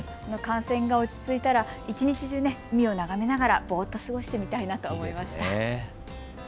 感染が落ち着いたら一日中、海を眺めながらぼーっと過ごしてみたいなと思いました。